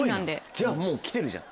じゃあもう来てるじゃん。